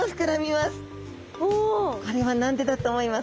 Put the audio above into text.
これは何でだと思いますか？